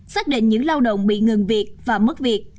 xác định những lao động bị ngừng việc và mất việc